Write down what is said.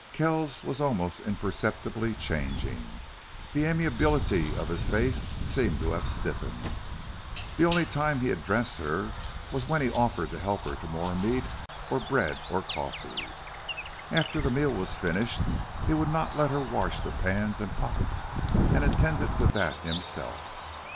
Kells was almost imperceptibly changing. The amiability of his face seemed to have stiffened. The only time he addressed her was when he offered to help her to more meat or bread or coffee. After the meal was finished he would not let her wash the pans and pots, and attended to that himself.